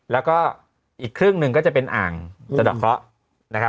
แล้วก็อีกครึ่งหนึ่งก็จะเป็นอ่างสะดอกเคาะ